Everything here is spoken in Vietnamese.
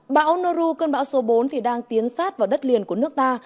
bão noru cơn bão số bốn thì đang tiến sát vào đất liền của nước ta